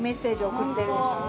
送ってるでしょう？